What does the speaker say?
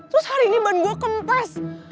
terus hari ini ban gue kempes